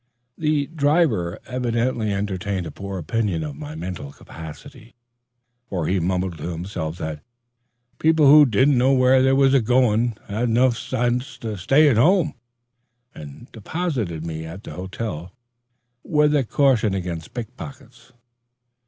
The driver evidently entertained a poor opinion of my mental capacity, for he mumbled to himself that "people who didn't know where they was agoin' had nuff sight better stay at home," and deposited me at the hotel with a caution against pickpockets.